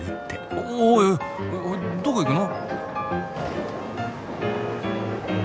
おいおいどこ行くの？